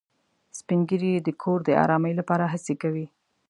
سپین ږیری د کور د ارامۍ لپاره هڅې کوي